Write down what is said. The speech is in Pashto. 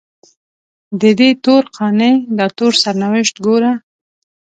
ددې تور قانع داتور سرنوشت ګوره